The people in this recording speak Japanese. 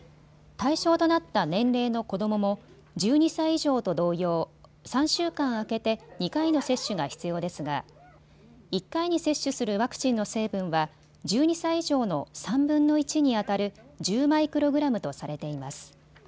対象となった年齢の子どもも１２歳以上と同様、３週間空けて２回の接種が必要ですが１回に接種するワクチンの成分は１２歳以上の３分の１にあたる１０マイクログラムとされています。